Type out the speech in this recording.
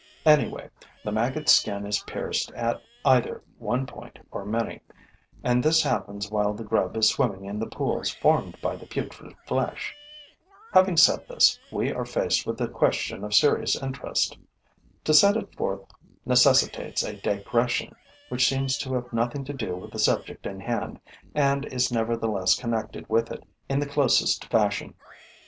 Anyway, the maggot's skin is pierced at either one point or many; and this happens while the grub is swimming in the pools formed by the putrid flesh. Having said this, we are faced with a question of serious interest. To set it forth necessitates a digression which seems to have nothing to do with the subject in hand and is nevertheless connected with it in the closest fashion.